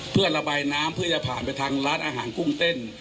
เพื่อระบายน้ำเพื่อจะผ่านไปทางร้านอาหารกุ้งเต้น